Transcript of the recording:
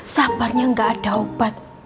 sabarnya gak ada obat